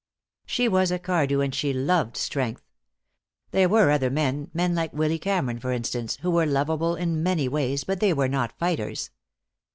She was a Cardew, and she loved strength. There were other men, men like Willy Cameron, for instance, who were lovable in many ways, but they were not fighters.